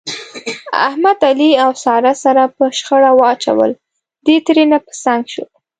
احمد، علي او ساره سره په شخړه واچول، دی ترېنه په څنګ شو.